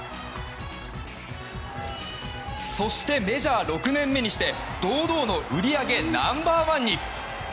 そしてメジャー６年目にして堂々の売り上げナンバー１に。